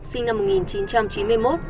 sinh năm một nghìn chín trăm chín mươi một